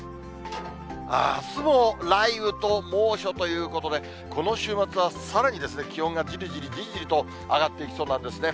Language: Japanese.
あすも雷雨と猛暑ということで、この週末はさらにですね、気温がじりじりじりじりと上がっていきそうなんですね。